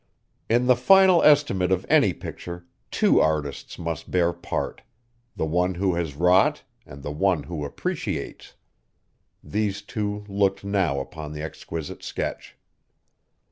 In the final estimate of any picture two artists must bear part, the one who has wrought and the one who appreciates! These two looked now upon the exquisite sketch.